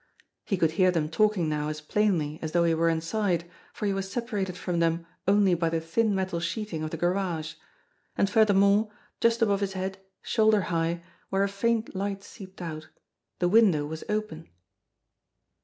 He could hear them talking now as plainly as though he were inside, for he was separated from them only by the thin metal sheeting of the garage ; and, furthermore, just above his head, shoulder high, where a faint light seeped out, the window was open.